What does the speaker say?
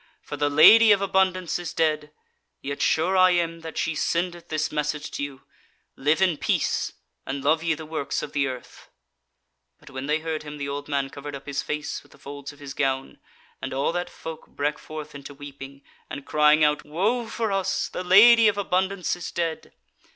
for the Lady of Abundance is dead; yet sure I am that she sendeth this message to you, Live in peace, and love ye the works of the earth." But when they heard him, the old man covered up his face with the folds of his gown, and all that folk brake forth into weeping, and crying out: "Woe for us! the Lady of Abundance is dead!"